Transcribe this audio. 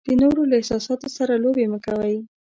د نورو له احساساتو سره لوبې مه کوئ.